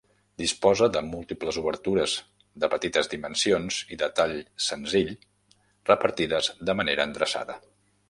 Disposa de múltiples obertures de petites dimensions i de tall senzill repartides de manera endreçada.